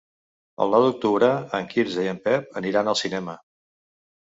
El nou d'octubre en Quirze i en Pep aniran al cinema.